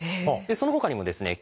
そのほかにもですね